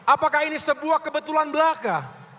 apakah ini sebuah kebetulan belaka